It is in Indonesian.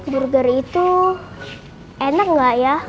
burger itu enak gak ya